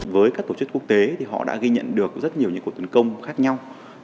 với các tổ chức quốc tế thì họ đã ghi nhận được rất nhiều những cuộc tấn công khác nhau